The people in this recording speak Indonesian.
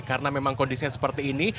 karena memang kondisinya seperti ini